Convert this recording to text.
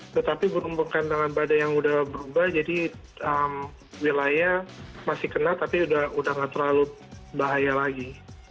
tetapi berumpukan dengan badai yang udah berubah jadi wilayah masih kena tapi udah gak terlalu bahaya lagi